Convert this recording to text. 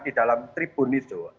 di dalam tribun itu